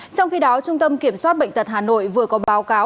trong khi đó trung tâm kiểm soát bệnh tật hà nội vừa có báo cáo